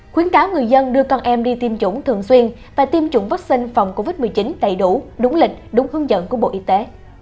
khuyến cáo người dân đưa con em đi tiêm chủng thường xuyên và tiêm chủng vaccine phòng covid một mươi chín đầy đủ đúng lịch đúng hướng dẫn của bộ y tế